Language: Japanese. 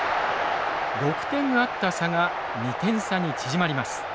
６点あった差が２点差に縮まります。